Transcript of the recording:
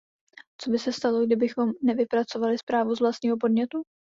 Co by se stalo, kdybychom nevypracovali zprávu z vlastního podnětu?